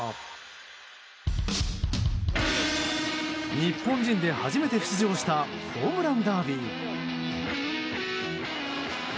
日本人で初めて出場したホームランダービー。